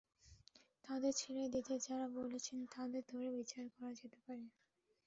তাঁদের ছেড়ে দিতে যাঁরা বলেছেন, তাঁদের ধরে বিচার করা যেতে পারে।